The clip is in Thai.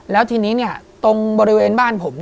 แล้วทีนี้ตรงบริเวณบ้านผม